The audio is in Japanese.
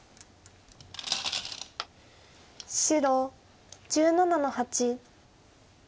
白１７の八。